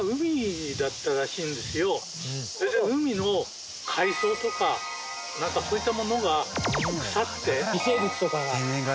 それで海の海藻とかなんかそういったものが腐って微生物とかが。